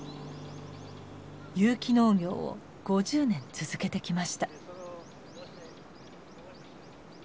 有機農業を５０年続けてきました。